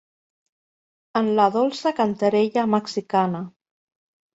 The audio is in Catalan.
En la dolça cantarella mexicana.